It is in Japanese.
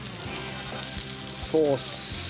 ソース。